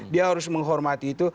dia harus menghormati itu